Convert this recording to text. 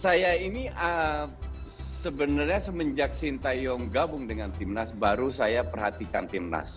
saya ini sebenarnya semenjak sintayung gabung dengan tim nas baru saya perhatikan tim nas